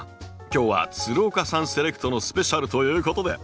今日は岡さんセレクトのスペシャルということで。